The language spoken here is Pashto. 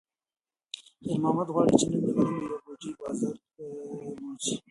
خیر محمد غواړي چې نن د غنمو یوه بوجۍ بازار ته بوځي.